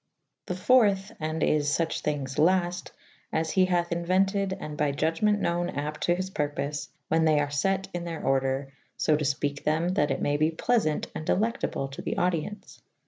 The .iiii. & is luch thynges lafte as he hathe Inuentid and by iudgement knowen apte to his purpofe when they ar fet in theyr ordre lb to Ipeke them that it maye be pleasant and delectable to the audience.